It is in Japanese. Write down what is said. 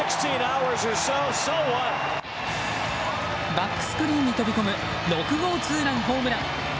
バックスクリーンに飛び込む６号ツーランホームラン！